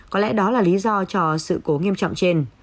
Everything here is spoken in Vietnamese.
có lẽ đó là lý do cho sự cố nghiêm trọng trên